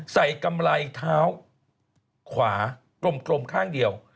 กำไรเท้าขวากลมข้างเดียว